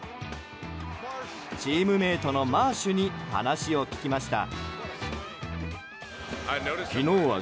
チームメートのマーシュに話を聞きました。